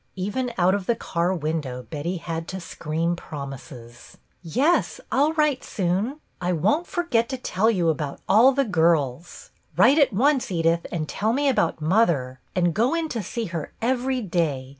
Even out of the car window Betty had to scream promises, — "Yes, I'll write soon. I won't forget to tell you about all the girls. Write at once, Edith, and tell me about mother, and go in to see her every day.